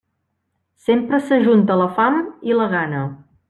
Sempre s'ajunta la fam i la gana.